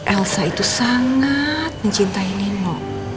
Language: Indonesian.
elsa itu sangat mencintai nino